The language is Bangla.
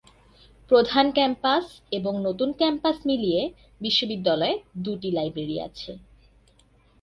প্রধান ক্যাম্পাস এবং নতুন ক্যাম্পাস মিলিয়ে বিশ্ববিদ্যালয়ে দুটি লাইব্রেরি আছে।